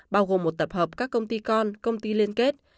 bao gồm một tập hợp các công ty con công ty liên kết